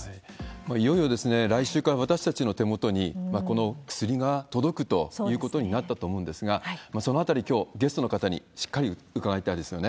いよいよ来週から私たちの手元に、この薬が届くということになったと思うんですが、そのあたり、きょう、ゲストの方にしっかり伺いたいですよね。